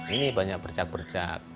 ini banyak bercak bercak